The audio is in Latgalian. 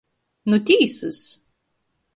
Nu tīsys!